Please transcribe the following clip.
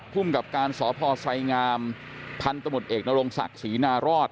ภูมิกับการสพไสงามพันธมตเอกนรงศักดิ์ศรีนารอด